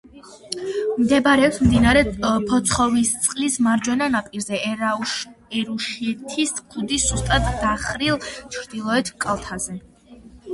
მდებარეობს მდინარე ფოცხოვისწყლის მარჯვენა ნაპირზე, ერუშეთის ქედის სუსტად დახრილ ჩრდილოეთ კალთაზე.